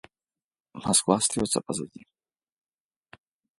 Москва остается позади.